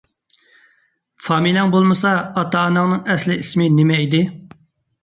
فامىلەڭ بولمىسا، ئاتا - ئاناڭنىڭ ئەسلىي ئىسمى نېمە ئىدى؟